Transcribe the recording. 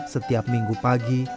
setiap minggu pagi